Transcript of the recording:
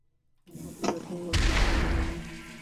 আমার পাঠকেরা তা কক্ষনো মেনে নেবে না।